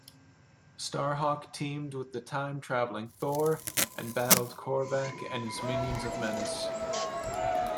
Starhawk teamed with the time-traveling Thor, and battled Korvac and his Minions of Menace.